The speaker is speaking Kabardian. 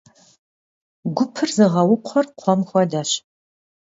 Гупыр зыгъэукхъуэр кхъуэм хуэдэщ.